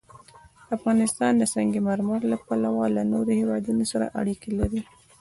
افغانستان د سنگ مرمر له پلوه له نورو هېوادونو سره اړیکې لري.